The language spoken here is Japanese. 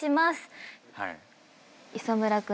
磯村君